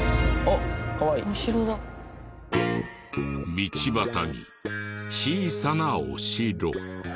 道端に小さなお城。